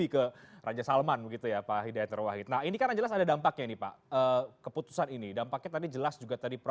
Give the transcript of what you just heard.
kalau kita akan memusuhkan sesuatu